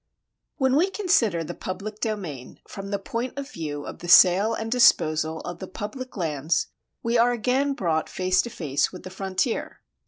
When we consider the public domain from the point of view of the sale and disposal of the public lands we are again brought face to face with the frontier.